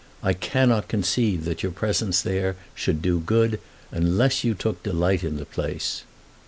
I cannot conceive that your presence there should do good, unless you took delight in the place.